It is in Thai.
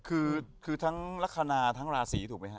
คือทั้งลักษณะทั้งราศีถูกไหมฮ